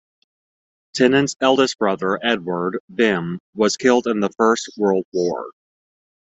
Tennant's eldest brother Edward - "Bim" - was killed in the First World War.